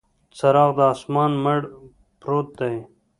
څراغ د اسمان، مړ پروت دی